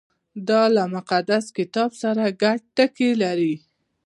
• دا له مقدس کتاب سره ګډ ټکي لري.